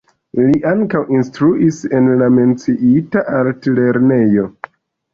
Li ankaŭ instruis en la menciita altlernejo.